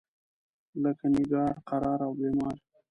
لکه نګار، قرار او بیمار.